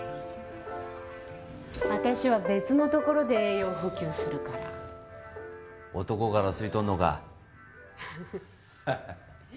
私は別のところで栄養補給するから男から吸い取るのか？